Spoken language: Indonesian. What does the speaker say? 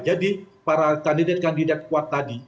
jadi para kandidat kandidat kuat tadi